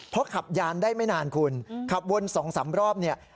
เพราะขับยานได้ไม่นานคุณขับวน๒๓รอบเนี่ย